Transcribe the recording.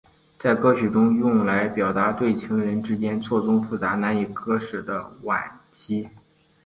在歌曲中用来表示对情人之间错综复杂难以割舍的惋惜。